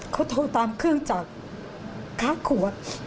เขาโทรตามเครื่องจักรค้างขวด